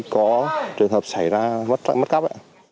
có trường hợp xảy ra mất cấp